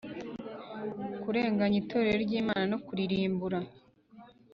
Kurenganya Itorero Ry Imana No Kuririmbura